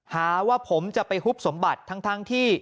หาว่าผมจะไปฮุบสมบัติทั้งที่